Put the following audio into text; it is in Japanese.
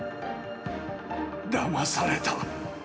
だまされた！